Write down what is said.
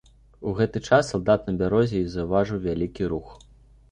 У гэты час салдат на бярозе і заўважыў вялікі рух.